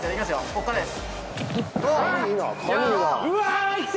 こっからです